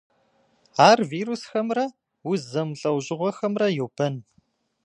Ар вирусхэмрэ уз зэмылӏэужьыгъуэхэмрэ йобэн.